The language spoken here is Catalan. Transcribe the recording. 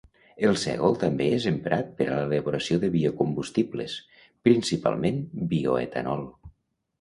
El sègol també és emprat per a l'elaboració de biocombustibles, principalment bioetanol.